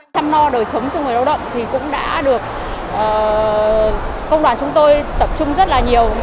chăm lo đời sống cho người lao động thì cũng đã được công đoàn chúng tôi tập trung rất là nhiều